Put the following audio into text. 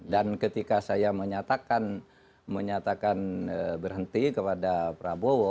dan ketika saya menyatakan berhenti kepada prabowo